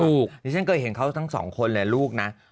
ถูกนี่ฉันเคยเห็นเขาทั้งสองคนเลยลูกนะ